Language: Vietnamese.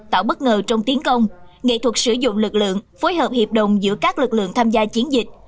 tạo bất ngờ trong tiến công nghệ thuật sử dụng lực lượng phối hợp hiệp đồng giữa các lực lượng tham gia chiến dịch